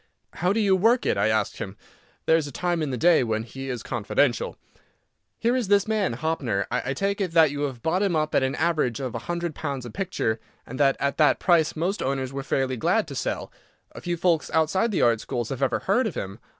"How do you work it?" I asked him. There is a time in the day when he is confidential. "Here is this man, Hoppner. I take it that you have bought him up at an average of a hundred pounds a picture, and that at that price most owners were fairly glad to sell. Few folks outside the art schools have ever heard of him.